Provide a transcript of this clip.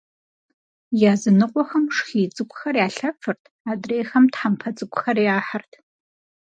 Языныкъуэхэм шхий цӏыкӏухэр ялъэфырт, адрейхэм тхьэмпэ цӏыкӏухэр яхьырт.